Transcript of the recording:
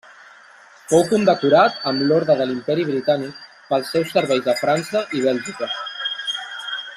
Fou condecorat amb l'Orde de l'Imperi Britànic pels seus serveis a França i Bèlgica.